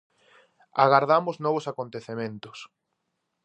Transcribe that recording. Agardamos novos acontecementos.